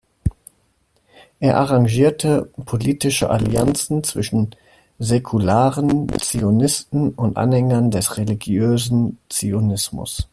Er arrangierte politische Allianzen zwischen säkularen Zionisten und Anhängern des religiösen Zionismus.